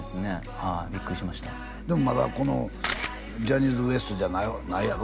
はいビックリしましたでもまだこのジャニーズＷＥＳＴじゃないやろ？